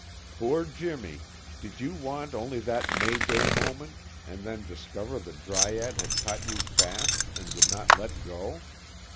Poor Jimmy, did you want only that May day moment, and then discover the dryad had caught you fast and would not let go?